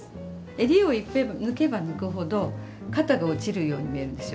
襟を抜けば抜くほど肩が落ちるように見えるんですよ。